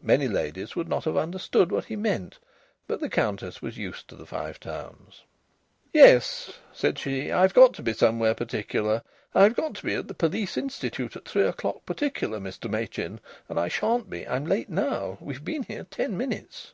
Many ladies would not have understood what he meant. But the Countess was used to the Five Towns. "Yes," said she. "I have got to be somewhere particular. I've got to be at the Police Institute at three o'clock particular, Mr Machin. And I shan't be. I'm late now. We've been here ten minutes."